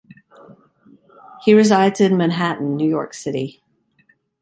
He resides in Manhattan, New York City.